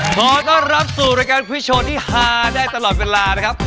ขอต้อนรับสู่รายการผู้โชว์ที่ฮาได้ตลอดเวลานะครับ